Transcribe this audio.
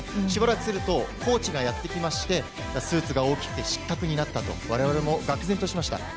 しばらくすると、コーチがやって来まして、スーツが大きくて失格になったと、われわれもがく然としました。